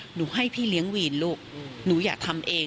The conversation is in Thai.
หนูให้พี่เลี้ยงวีนลูกหนูอย่าทำเอง